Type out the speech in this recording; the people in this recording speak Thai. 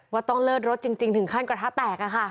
ต้องเลิศรถจริงถึงขั้นกระทะแตก